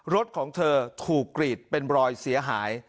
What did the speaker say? รถของเธอถูกกรีดเป็นรอยเสียหาย